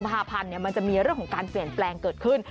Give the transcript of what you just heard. ภาพันธ์มันจะมีเรื่องของการเปลี่ยนแปลงเกิดขึ้น